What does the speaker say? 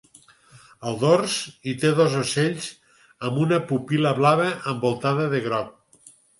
Al dors, hi té dos ocels amb una pupil·la blava envoltada de groc.